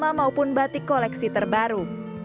batik lama maupun batik koleksi terbaru